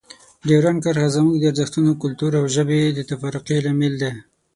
ډیورنډ کرښه زموږ د ارزښتونو، کلتور او ژبې د تفرقې لامل ده.